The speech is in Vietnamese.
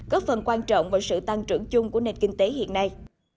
góp phần quan trọng vào sự tăng trưởng chung của nền kinh tế hiện nay